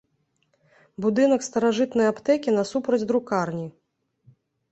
Будынак старажытнай аптэкі насупраць друкарні.